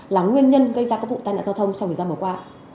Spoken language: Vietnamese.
là nguyên nhân gây ra các vụ tai nạn giao thông trong thời gian vừa qua